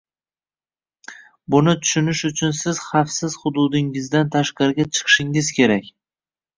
Buni tushinish uchun siz xavfsiz hududingizdan tashqariga chiqishingiz kerak